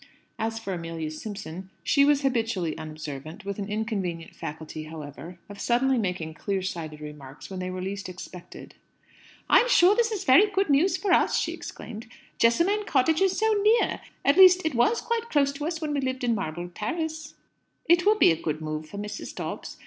As for Amelia Simpson, she was habitually unobservant, with an inconvenient faculty, however, of suddenly making clear sighted remarks when they were least expected. "I'm sure this is very good news for us!" she exclaimed. "Jessamine Cottage is so near! At least, it was quite close to us when we lived in Marlborough Terrace." "It will be a good move for Mrs. Dobbs.